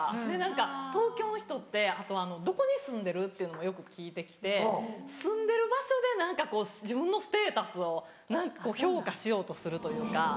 で何か東京の人ってあとあの「どこに住んでる？」っていうのもよく聞いて来て住んでる場所で何かこう自分のステータスを評価しようとするというか。